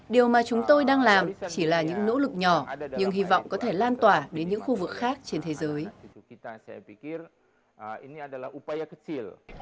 điều mà chúng tôi đang làm chỉ là những nỗ lực nhỏ nhưng hy vọng có thể lan tỏa đến những khu vực khác trên thế giới